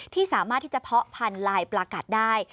สามารถที่จะเพาะพันธุ์ลายปลากัดได้